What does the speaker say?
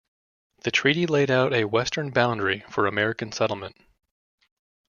The treaty laid out a western boundary for American settlement.